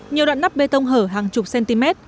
nhiều đoạn nắp bê tông hở hàng chục cm